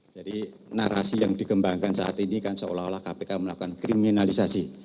jadi narasi yang dikembangkan saat ini kan seolah olah kpk melakukan kriminalisasi